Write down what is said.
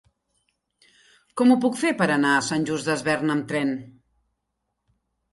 Com ho puc fer per anar a Sant Just Desvern amb tren?